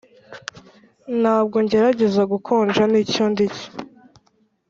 ntabwo ngerageza gukonja nicyo ndi cyo.